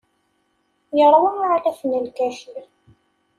Yeṛwa aɛlaf n lkacir.